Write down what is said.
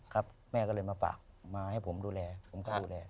ครับแม่ก็เลยมาฝากมาให้ผมดูแลผมก็ดูแล